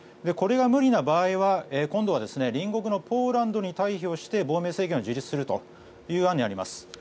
これが無理な場合は今度は隣国のポーランドに退避をして亡命政府を樹立するという案になります。